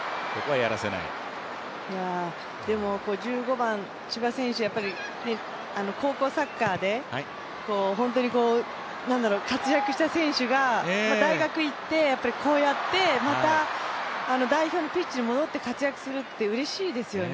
でも、１５番、千葉選手、高校サッカーで活躍した選手が大学行ってこうやってまた代表のピッチにも戻って活躍するって、うれしいですよね。